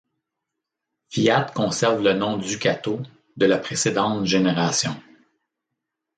Fiat conserve le nom Ducato de la précédente génération.